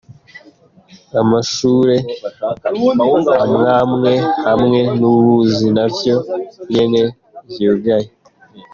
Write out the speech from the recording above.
Amashule amwamwe hamwe n'ubuzi navyo nyene vyugaye.